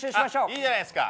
いいじゃないですか。